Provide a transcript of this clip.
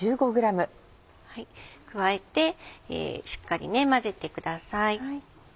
加えてしっかり混ぜてください。